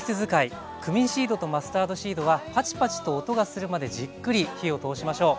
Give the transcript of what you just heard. クミンシードとマスタードシードはパチパチと音がするまでじっくり火を通しましょう。